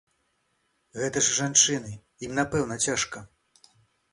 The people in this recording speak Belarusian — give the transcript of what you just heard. Гэта ж жанчыны, ім напэўна цяжка.